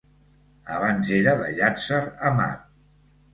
Abans era de Llàtzer Amat.